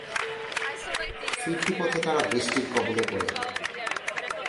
ফিরতি পথে তারা বৃষ্টির কবলে পড়ে।